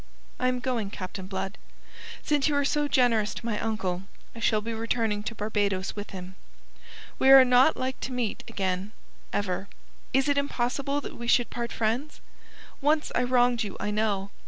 "I am going, Captain Blood. Since you are so generous to my uncle, I shall be returning to Barbados with him. We are not like to meet again ever. Is it impossible that we should part friends? Once I wronged you, I know.